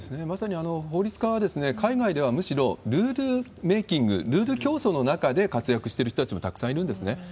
まさに法律家は、海外ではむしろルールメーキング、ルール競争の中で活躍してる人たちもたくさんいるんですね。